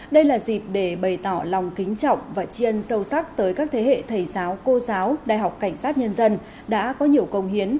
đây là dịp để bày tỏ lòng kính trọng và chiên sâu sắc tới các thế hệ thầy giáo cô giáo đại học cảnh sát nhân dân đã có nhiều công hiến